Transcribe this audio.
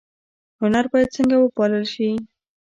هنر باید څنګه وپال ل شي؟